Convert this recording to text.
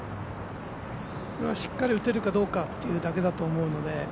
これはしっかり打てるかというだけだと思うので。